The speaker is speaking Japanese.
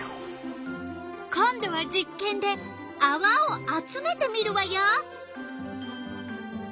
今度は実験であわを集めてみるわよ。